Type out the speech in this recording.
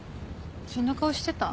そんな顔してた？